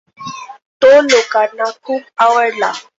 तो लोकांना खूप आवडला.